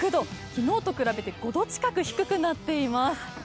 昨日と比べて５度近く低くなっています。